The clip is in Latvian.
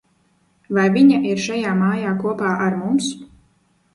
Vai viņa ir šajā mājā kopā ar mums?